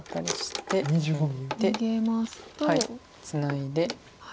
ツナいで。